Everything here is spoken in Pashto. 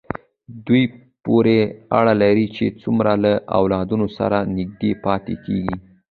دې پورې اړه لري چې څومره له اولادونو سره نږدې پاتې کېږي.